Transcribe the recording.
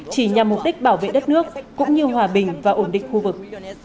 chỉ nhằm mục đích bảo vệ đất nước cũng như hòa bình và ổn định khu vực